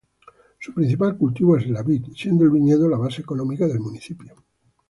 Su principal cultivo es la vid, siendo el viñedo la base económica del municipio.